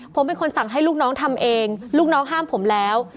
ผมเป็นคนสั่งให้ลูกน้องทำเองลูกน้องห้ามผมแล้ว